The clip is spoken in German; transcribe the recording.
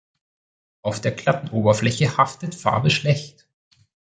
Auf der glatten Oberfläche haftet Farbe schlecht.